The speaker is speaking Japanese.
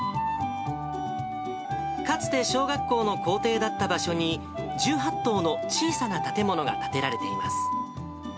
かつて小学校の校庭だった場所に、１８棟の小さな建物が建てられています。